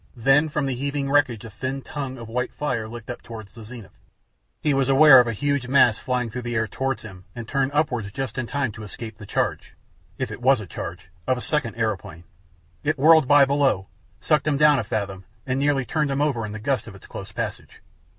Then from the heaving wreckage a thin tongue of white fire licked up towards the zenith. He was aware of a huge mass flying through the air towards him, and turned upwards just in time to escape the charge if it was a charge of a second aeroplane. It whirled by below, sucked him down a fathom, and nearly turned him over in the gust of its close passage.